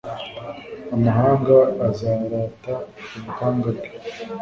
amahanga azarata ubuhanga bwe